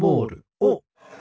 おっ。